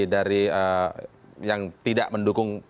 dari yang tidak mendukung